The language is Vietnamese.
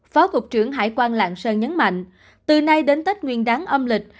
phó cục trưởng hải quan lạng sơn nhấn mạnh từ nay đến tết nguyên đáng âm lịch